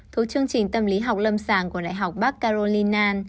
thuộc chương trình tâm lý học lâm sàng của đại học bắc carolina